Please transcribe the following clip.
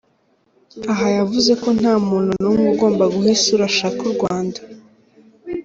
Aha yavuze ko nta muntu n’umwe ugomba guha isura ashaka u Rwanda.